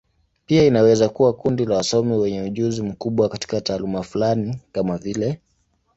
Pia inaweza kuwa kundi la wasomi wenye ujuzi mkubwa katika taaluma fulani, kama vile.